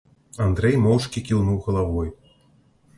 Андрэй моўчкі кіўнуў галавой.